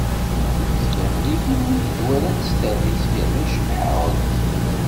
Wehment tefremliyin mi i yi-d-wallent s tadist yerna cebbḥeɣ-d.